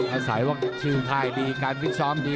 อาศัยว่าชิลไทยดีการฟิตซ้อมดี